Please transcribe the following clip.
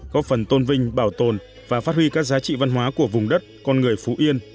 góp phần tôn vinh bảo tồn và phát huy các giá trị văn hóa của vùng đất con người phú yên